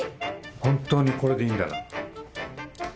本当にこれでいいんだな？